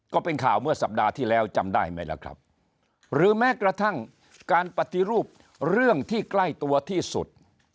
ก็เป็นข่าวเมื่อสัปดาห์ที่แล้วจำได้ไหมล่ะครับหรือแม้กระทั่งการปฏิรูปเรื่องที่ใกล้ตัวที่สุด